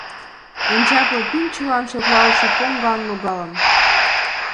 — Эн чапле пӱнчылан шотлалтше поҥган логалын.